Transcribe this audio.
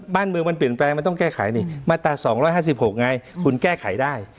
บ้านเมืองมันเปลี่ยนแปลงมันต้องแก้ไขนี่มาตรา๒๕๖ไงคุณแก้ไขได้